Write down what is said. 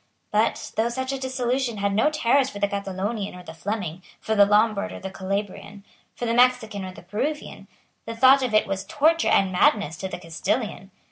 But, though such a dissolution had no terrors for the Catalonian or the Fleming, for the Lombard or the Calabrian, for the Mexican or the Peruvian, the thought of it was torture and madness to the Castilian.